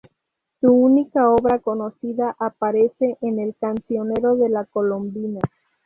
Su única obra conocida aparece en el Cancionero de la Colombina.